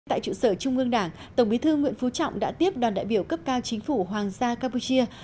tại trụ sở trung ương đảng tổng bí thư nguyễn phú trọng đã tiếp đoàn đại biểu cấp cao chính phủ hoàng gia campuchia